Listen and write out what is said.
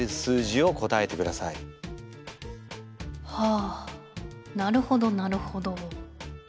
あなるほどなるほど。